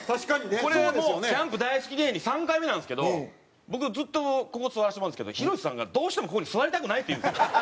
これはもうキャンプ大好き芸人３回目なんですけど僕ずっとここ座らせてもらうんですけどヒロシさんがどうしてもここに座りたくないって言うんですよ。